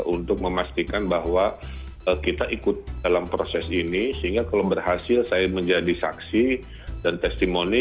untuk memastikan bahwa kita ikut dalam proses ini sehingga kalau berhasil saya menjadi saksi dan testimoni